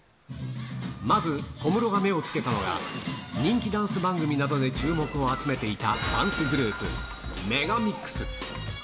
まず、小室が目をつけたのが、人気ダンス番組などで注目を集めていたダンスグループ、メガミックス。